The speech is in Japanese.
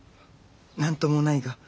何ともないが。